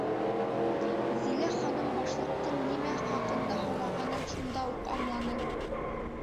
Зилә ханым башлыҡтың нимә хаҡында һорағанын шунда уҡ аңланы.